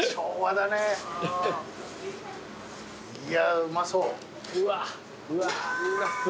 いやうまそう。